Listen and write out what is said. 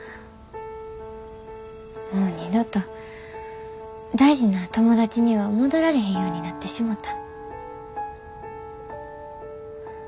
もう二度と大事な友達には戻られへんようになってしもた。